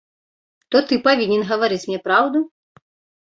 То ты павінен гаварыць мне праўду.